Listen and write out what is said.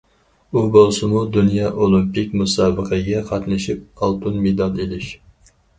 ئۇ بولسىمۇ دۇنيا ئولىمپىك مۇسابىقىگە قاتنىشىپ ئالتۇن مېدال ئېلىش.